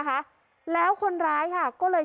อัศวินธรรมชาติ